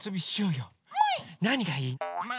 なにがいい？もい！